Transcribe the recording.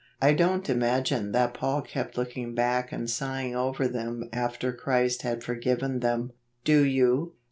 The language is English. I don't imagine that Paul kept looking back and sighing over them after Christ had forgiven them. Do you?